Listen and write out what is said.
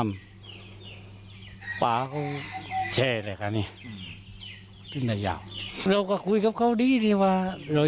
มา